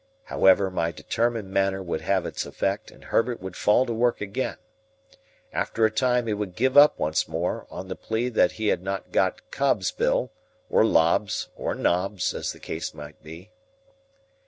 However, my determined manner would have its effect, and Herbert would fall to work again. After a time he would give up once more, on the plea that he had not got Cobbs's bill, or Lobbs's, or Nobbs's, as the case might be.